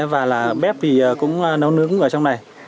và bếp thì cũng nấu nướng ở trong này